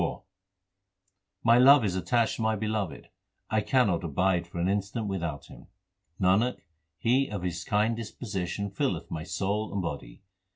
HYMNS OF GURU ARJAN 409 SLOK IV My love is attached to my Beloved ; I cannot abide for an instant without Him. Nanak, He of His kind disposition filleth my soul and body.